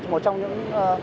cũng là một trong những